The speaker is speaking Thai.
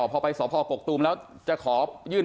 พอไปสอบหอปกตุมแล้วจะขอยื่น